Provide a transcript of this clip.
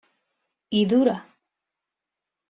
Y dura.